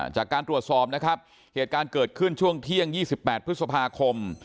จากการตรวจสอบนะครับเหตุการณ์เกิดขึ้นช่วงเที่ยง๒๘พฤษภาคม